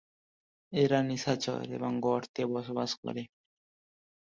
এরা নিশাচর এবং গর্তে বসবাস করে।